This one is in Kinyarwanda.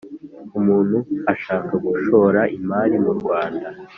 umuntu ashaka gushora imari mu Rwanda